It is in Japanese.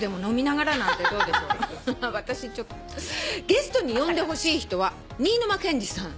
「ゲストに呼んでほしい人は新沼謙治さん